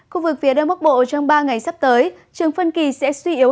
khu vực phía đông bắc bộ trong ba ngày sắp tới trường phân kỳ sẽ suy yếu